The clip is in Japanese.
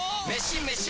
メシ！